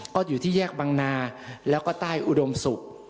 ก็อยู่ที่แยกบังนาแล้วก็ใต้อุดมศุกร์